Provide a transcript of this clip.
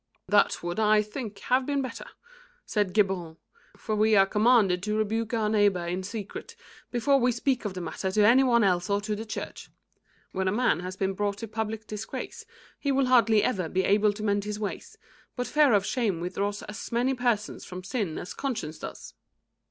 "That would, I think, have been better," said Geburon, "for we are commanded to rebuke our neighbour in secret, before we speak of the matter to any one else or to the Church. When a man has been brought to public disgrace, he will hardly ever be able to mend his ways, but fear of shame withdraws as many persons from sin as conscience does."